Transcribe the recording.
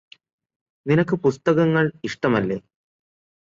നിനക്ക് പുസ്തകങ്ങള് ഇഷ്ടമല്ലേ